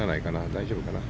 大丈夫かな？